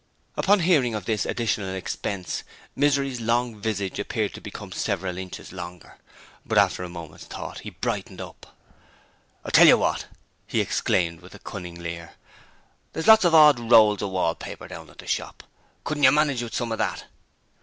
Upon hearing of this addition expense, Misery's long visage appeared to become several inches longer; but after a moment's thought he brightened up. 'I'll tell you what!' he exclaimed with a cunning leer, 'there's lots of odd rolls of wallpaper down at the shop. Couldn't you manage with some of that?'